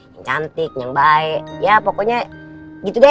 yang cantik yang baik ya pokoknya gitu deh